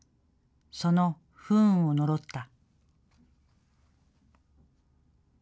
その不運を呪った。